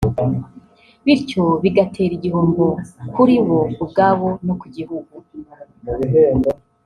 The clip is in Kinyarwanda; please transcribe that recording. bityo bigatera igihombo kuri bo ubwabo no ku gihugu